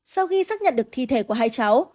sau khi xác nhận được thi thể của hai cháu